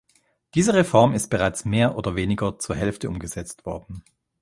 Diese Reform ist bereits mehr oder weniger zur Hälfte umgesetzt worden.